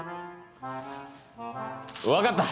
分かった！